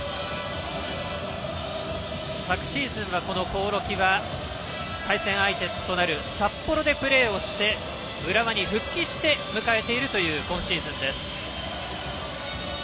昨シーズン、興梠は対戦相手となる札幌でプレーをして浦和に復帰して迎えているという今シーズンです。